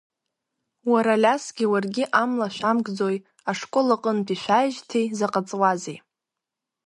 Уара, Алиасгьы уаргьы амла шәамкӡои, ашкол аҟынтәи шәааижьҭеи заҟа ҵуазеи!